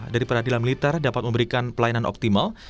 dari peradilan militer dapat memberikan pelayanan optimal